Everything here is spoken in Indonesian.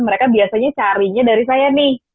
mereka biasanya carinya dari saya nih